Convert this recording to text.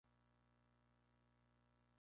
Tiene una personalidad muy alegre y competitiva.